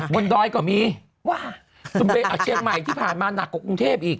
ดอยก็มีว่าเชียงใหม่ที่ผ่านมาหนักกว่ากรุงเทพอีก